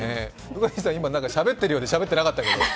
宇賀神さん、今、しゃべってるようでしゃべってなかったけど。